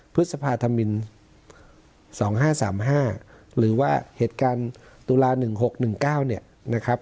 พฤษภาธรรมินสองห้าสามห้าหรือว่าเหตุการณ์ตุลาหนึ่งหกหนึ่งเก้าเนี่ยนะครับ